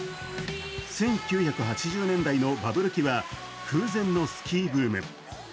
１９８０年代のバブル期は空前のスキーブーム。